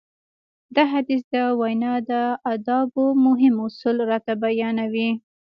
دا حديث د وينا د ادابو مهم اصول راته بيانوي.